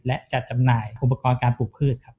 และจัดจำหน่ายอุปกรณ์การปลูกพืชครับ